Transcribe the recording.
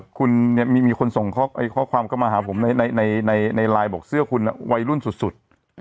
คุณมีคนส่งข้อความเข้ามาหาผมในไลน์บอกเสื้อคุณวัยรุ่นสุด